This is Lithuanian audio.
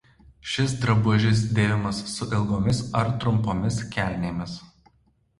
Šis drabužis dėvimas su ilgomis ar trumpomis kelnėmis.